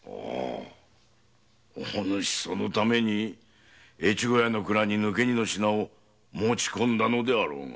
お主そのために越後屋の蔵に抜け荷の品を持ち込んだのであろうが。